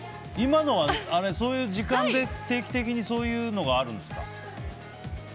今のは、そういう時間で定期的にそういうのがあるんですか？